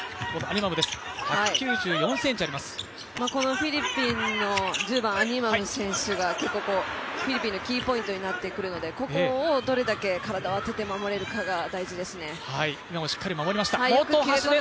フィリピンの１０番、アニマム選手がフィリピンのキーポイントになってくるので、ここをどれだけ体を当てて守れるかが大事ですね。